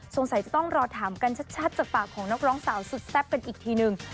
จะต้องรอถามกันชัดจากปากของนักร้องสาวสุดแซ่บกันอีกทีนึง